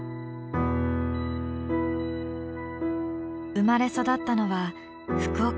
生まれ育ったのは福岡県。